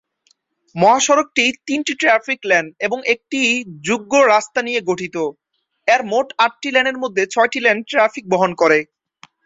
মহাসড়কটি তিনটি traffic lane এবং একটি যুগ্ম রাস্তা নিয়ে গঠিত, এর মোট আটটি লেনের মধ্যে ছয়টি লেন ট্রাফিক বহন করে।